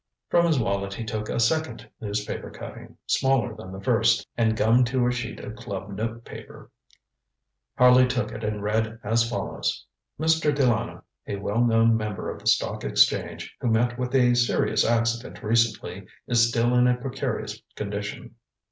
ŌĆØ From his wallet he took a second newspaper cutting, smaller than the first, and gummed to a sheet of club notepaper. Harley took it and read as follows: ŌĆ£Mr. De Lana, a well known member of the Stock Exchange, who met with a serious accident recently, is still in a precarious condition.